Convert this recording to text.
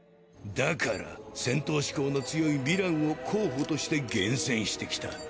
だから戦闘志向の強いヴィランを候補として厳選してきた！